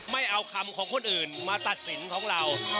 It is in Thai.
ไม่เอาคำของคนอื่นมาตัดสินของเรา